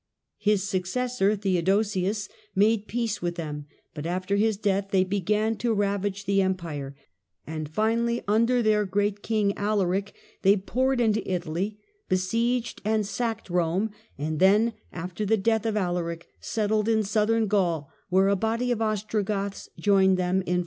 His successor, Theodosius, made peace with them, but after his death they began to ravage the Empire, and finally, under their great king, Alaric, they poured into Italy, besieged and sacked Rome, and then, after the death of Alaric, settled in Southern Gaul, where a body of Ostro goths joined them in 473.